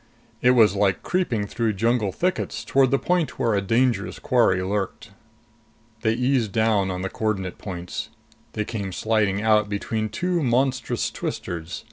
It was like creeping through jungle thickets towards the point where a dangerous quarry lurked. They eased down on the coordinate points. They came sliding out between two monstrous twisters.